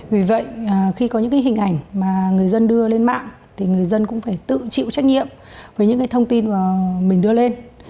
vì vậy khi có những cái hình ảnh mà người dân đưa lên mạng thì người dân cũng phải tự chịu trách nhiệm với những cái thông tin mà mình đưa lên